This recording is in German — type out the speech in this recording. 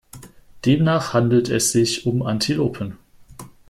Demnach handelt es sich um Antilopen.